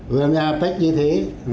vừa làm như apec như thế